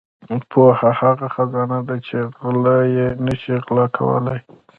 • پوهه هغه خزانه ده چې غله یې نشي غلا کولای.